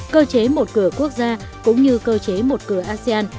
cơ chế một cửa quốc gia cũng như cơ chế một cửa asean